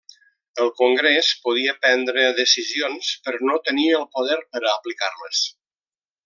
El Congrés podia prendre decisions, però no tenia el poder per a aplicar-les.